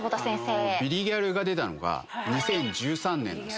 『ビリギャル』が出たのは２０１３年です。